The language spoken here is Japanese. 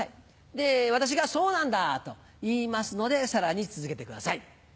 で私が「そうなんだ」と言いますのでさらに続けてください。